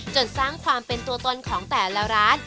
จนสร้างความเป็นตัวตนของแต่ละร้าน